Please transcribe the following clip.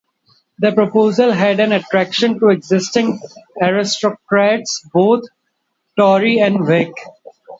The proposal had an attraction to existing aristocrats both Tory and Whig.